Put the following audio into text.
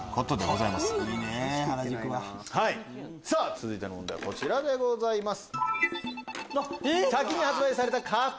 続いての問題はこちらでございます。